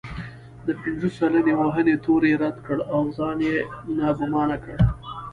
د پنځه سلنه وهنې تور يې رد کړ او ځان يې ناګومانه کړ.